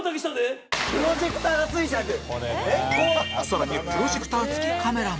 更にプロジェクター付きカメラも